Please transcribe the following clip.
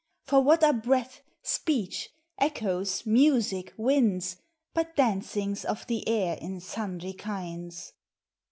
For what are breath, speech, echoes, music, winds, But dancings of the air in sundry kinds?